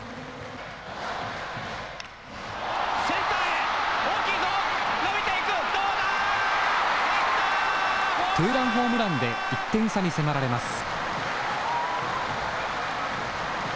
ツーランホームランで１点差に迫られます。